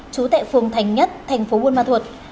chú tệ phùng thành nhất tp bun ma thuật